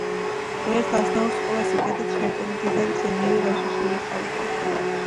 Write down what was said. ერთ აზნაურს, ყველა სიკეთით შემკული და დიდად მშვენიერი ვაჟიშვილი ჰყავდა